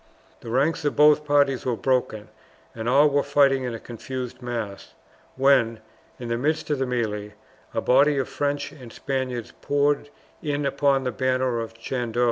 The ranks of both parties were broken, and all were fighting in a confused mass, when, in the midst of the melee, a body of French and Spaniards poured in upon the banner of Chandos.